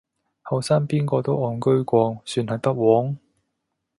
後生邊個都戇居過，算係不枉